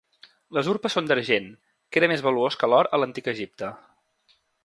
Les urpes són d'argent, que era més valuós que l'or a l'antic Egipte.